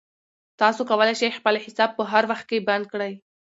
تاسو کولای شئ خپل حساب په هر وخت کې بند کړئ.